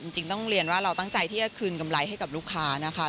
จริงต้องเรียนว่าเราตั้งใจที่จะคืนกำไรให้กับลูกค้านะคะ